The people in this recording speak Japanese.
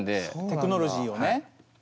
テクノロジーをね。